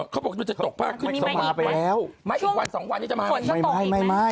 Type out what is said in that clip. เขาบอกว่าจะตกปากขึ้นมันอีกไหมมันอีกวัน๒วันจะมา